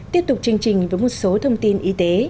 tiếp tục chương trình với một số thông tin y tế